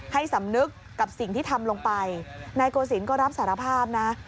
สำนึกกับสิ่งที่ทำลงไปนายโกศิลป์ก็รับสารภาพนะ